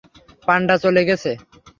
পান্ডা চলে গেছে?